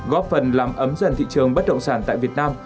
góp phần làm ấm dần thị trường bất động sản tại việt nam